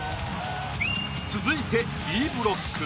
続いてＢブロック。